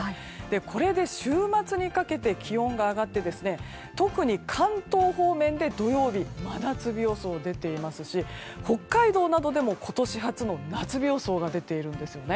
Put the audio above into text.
これで週末にかけて気温が上がって特に関東方面で土曜日真夏日予想が出ていますし北海道などでも今年初の夏日予想が出ているんですね。